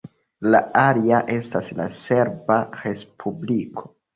La alia estas la Serba Respubliko.